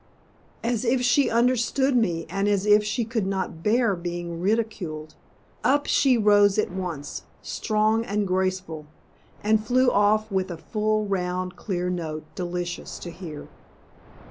As if she understood me, and as if she could not bear being ridiculed, up she rose at once, strong and graceful, and flew off with a full, round, clear note, delicious to hear.